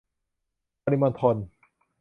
ปริมณฑล